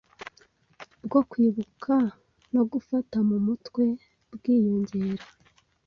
bwo kwibuka no gufata mu mutwe bwiyongera